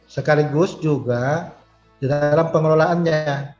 sekaligus juga di dalam pengelolaannya